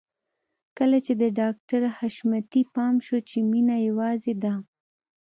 کله چې د ډاکټر حشمتي پام شو چې مينه يوازې ده.